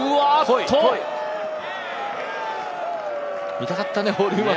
見たかったねホールインワン。